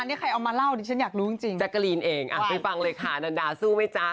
ที่ฉันอยากรู้จริงจักรีนเองไปฟังเลยค่ะดันดาสู้ไหมจ๊ะ